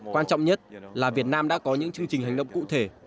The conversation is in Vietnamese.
quan trọng nhất là việt nam đã có những chương trình hành động cụ thể